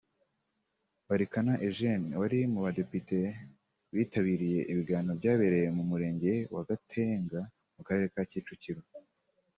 Barikana Eugene wari mu badepite bitabiriye ibiganiro byabereye mu murenge wa Gatenga mu Karere ka Kicukiro